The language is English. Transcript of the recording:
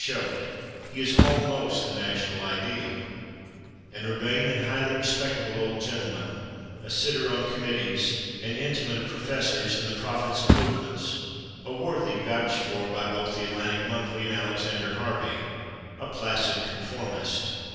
Choate, he is almost the national ideal: an urbane and highly respectable old gentleman, a sitter on committees, an intimate of professors and the prophets of movements, a worthy vouched for by both the Atlantic Monthly and Alexander Harvey, a placid conformist.